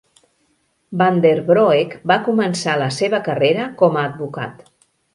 Van den Broek va començar la seva carrera com a advocat.